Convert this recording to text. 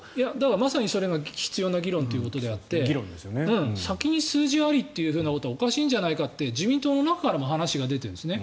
まさにそれが必要な議論ということであって先に数字ありっていうことはおかしいんじゃないかって自民党の中からも話が出てるんですね。